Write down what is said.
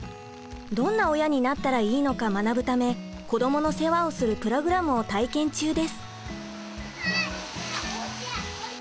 どんな親になったらいいのか学ぶため子どもの世話をするプログラムを体験中です。